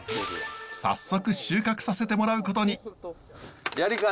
早速収穫させてもらうことに。